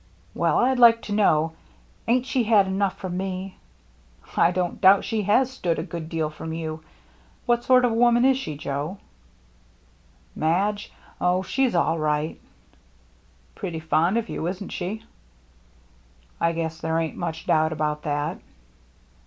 " Well, I'd like to know — Ain't she had enough from me —"" I don't doubt she has stood a good deal from you. What sort of a woman is she, Joe?" " Madge ? Oh, she's all right." 314 THE MERRT ANNE " Pretty fond of you, isn't she ?"" I guess there ain't much doubt about that."